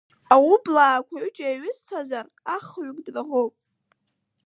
Аублаақуа, ҩыџьа еиҩызцәазар, ахҩык драӷоуп.